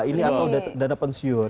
ini atau dana pensiun